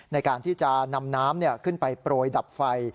ในการที่จะนำน้ำขึ้นไปโปรยดับไฟ